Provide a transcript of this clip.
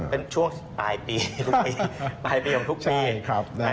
เป็นช่วงปลายปีทุกปีปลายปีของทุกปี